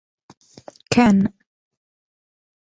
Storyboards are now becoming more popular with novelists.